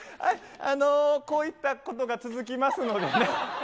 こういったことが続きますのでね。